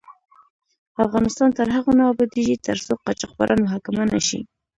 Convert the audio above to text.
افغانستان تر هغو نه ابادیږي، ترڅو قاچاقبران محاکمه نشي.